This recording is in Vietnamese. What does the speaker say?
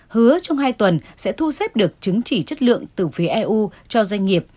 hứa trong hai tuần sẽ thu xếp được chứng chỉ chất lượng từ phía eu cho doanh nghiệp